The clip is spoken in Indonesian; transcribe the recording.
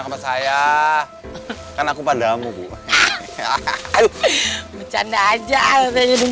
kasian kalau dia tau